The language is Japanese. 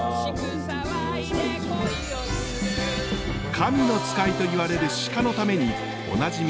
神の使いといわれる鹿のためにおなじみ